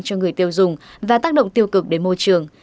cho người tiêu dùng và tác động tiêu cực đến môi trường